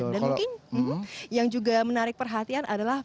dan mungkin yang juga menarik perhatian adalah